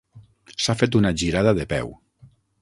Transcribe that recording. S'ha fet una girada de peu.